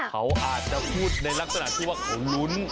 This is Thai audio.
เขาอาจจะพูดในลักษณะที่ว่าเขาลุ้น